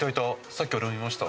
さっき俺も見ました。